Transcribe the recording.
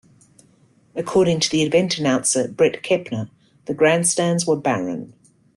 According to the event announcer Bret Kepner, the grandstands were barren.